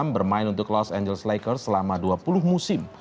bermain untuk los angeles lakers selama dua puluh musim